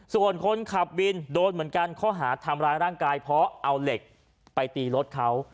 ส่วนคนขับวินโดนเหมือนกันข้อหาทำร้ายร่างกายเพราะเอาเหล็กไปตีรถเขา